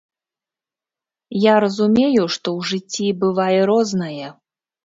Я разумею, што ў жыцці бывае рознае.